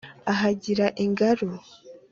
ahagira ingaru